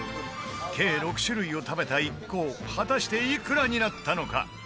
計６種類を食べた一行果たしていくらになったのか？